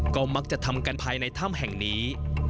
ก็มักจะทำกันภายในถ้ำแห่งนี้